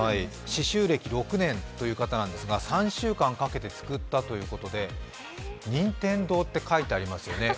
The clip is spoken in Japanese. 刺しゅう歴６年という方なんですが３週間かけて作ったということで、Ｎｉｎｔｅｎｄｏって書いてありますよね。